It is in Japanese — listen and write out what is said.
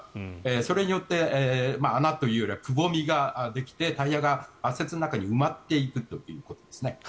それによって穴というよりは、くぼみができてタイヤが圧雪の中に埋まっていくということです。